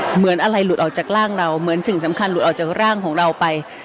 เหมือนอะไรหลุดออกจากร่างเราเหมือนสิ่งสำคัญหลุดออกจากร่างของเราไป